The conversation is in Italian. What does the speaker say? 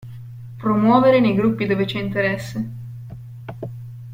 Promuovere nei gruppi dove c'è interesse.